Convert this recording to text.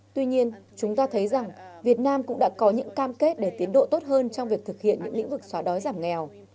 tuy nhiên chúng ta thấy rằng việt nam cũng đã có những cam kết để tiến độ tốt hơn trong việc thực hiện những lĩnh vực xóa đói giảm nghèo